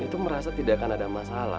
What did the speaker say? itu merasa tidak akan ada masalah